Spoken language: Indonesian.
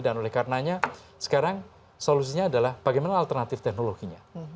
dan oleh karenanya sekarang solusinya adalah bagaimana alternatif teknologinya